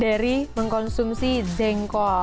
dari mengkonsumsi zengkol